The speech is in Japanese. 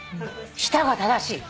舌が正しい。